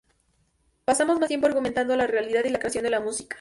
Pasamos más tiempo argumentando la realidad y la creación de la música.